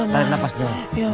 tarik nafas dulu